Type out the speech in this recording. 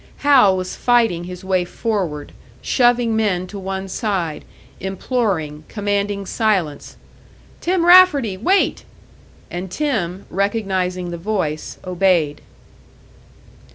Hal was fighting his way forward, shoving men to one side, imploring, commanding silence. "Tim Rafferty! Wait!" And Tim, recognising the voice, obeyed.